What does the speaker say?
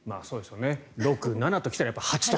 ６、７と来たら８と。